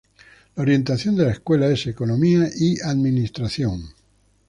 La orientación de la escuela es economía y administración.